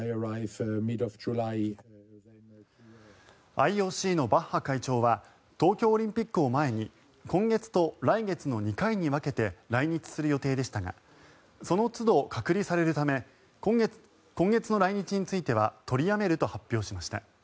ＩＯＣのバッハ会長は東京オリンピックを前に今月と来月の２回に分けて来日する予定でしたがそのつど隔離されるため今月の来日については取りやめると発表しました。